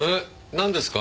なんですか？